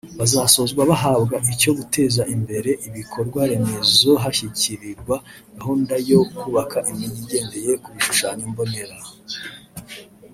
Bazasozwa bahabwa icyo guteza imbere ibikorwaremezo hashyigikirwa gahunda yo kubaka imijyi igendeye ku bishushanyo-mbonera